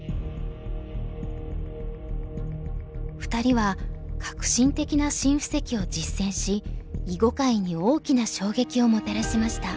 ２人は革新的な新布石を実践し囲碁界に大きな衝撃をもたらしました。